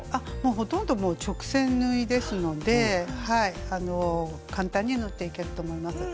ほとんど直線縫いですので簡単に縫っていけると思います。